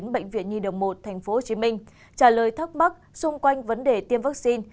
bệnh viện nhi đồng một tp hcm trả lời thắc mắc xung quanh vấn đề tiêm vaccine